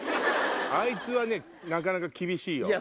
あいつはねなかなか厳しいよ。